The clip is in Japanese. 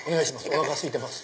おなかすいてます。